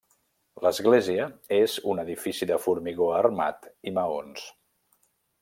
L'església és un edifici de formigó armat i maons.